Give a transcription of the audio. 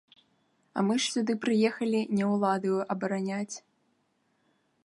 А мы ж сюды прыехалі не ўлады абараняць.